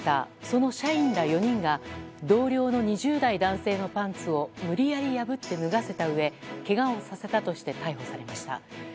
その社員ら４人が同僚の２０代男性のパンツを無理やり破って脱がせたうえけがをさせたとして逮捕されました。